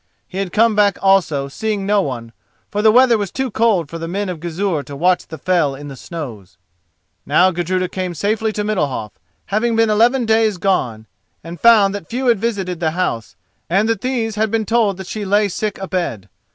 He had come back also seeing no one, for the weather was too cold for the men of Gizur to watch the fell in the snows. Now Gudruda came safely to Middalhof, having been eleven days gone, and found that few had visited the house, and that these had been told that she lay sick abed.